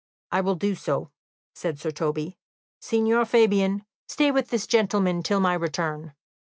"I will do so," said Sir Toby. "Signor Fabian, stay with this gentleman till my return."